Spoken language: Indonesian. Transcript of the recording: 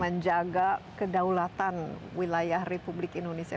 menjaga kedaulatan wilayah republik indonesia